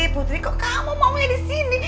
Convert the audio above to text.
putri kok kamu maunya disini